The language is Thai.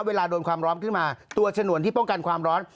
เวลาโดนความร้อนขึ้นมาตัวฉนวนที่ป้องกันความร้อน